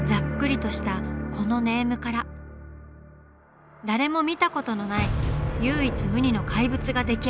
誰も見たことのない唯一無二の怪物が出来上がりました。